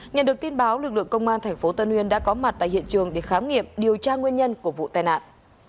nhận được tin báo lực lượng công an tp tân uyên đã có mặt tại hiện trường để khám nghiệm điều tra nguyên nhân của vụ tai nạn